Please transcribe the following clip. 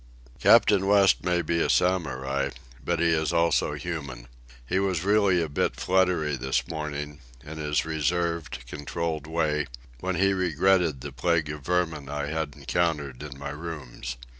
Captain West may be a Samurai, but he is also human. He was really a bit fluttery this morning, in his reserved, controlled way, when he regretted the plague of vermin I had encountered in my rooms.